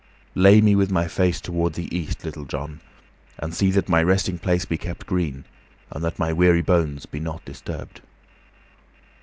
Lay me with my face toward the East, Little John, and see that my resting place be kept green, and that my weary bones be not disturbed."